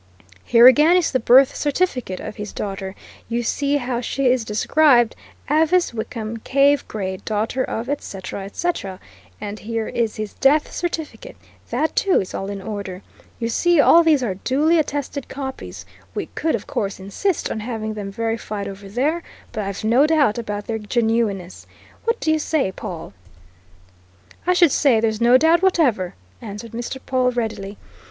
Here, again, is the birth certificate of his daughter. You see how she is described Avice Wickham Cave Gray, daughter of, et cetera, et cetera. And here is his death certificate that too is all in order. You see, all these are duly attested copies we could, of course, insist on having them verified over there, but I've no doubt about their genuineness what do you say, Pawle?" "I should say there's no doubt whatever," answered Mr. Pawle readily.